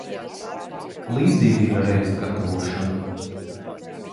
Līdzīgi ir ar ēst gatavošanu.